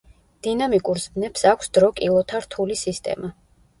დინამიკურ ზმნებს აქვს დრო-კილოთა რთული სისტემა.